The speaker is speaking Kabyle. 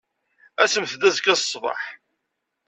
Asemt-d azekka ṣṣbeḥ.